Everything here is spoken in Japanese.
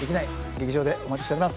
劇場でお待ちしてます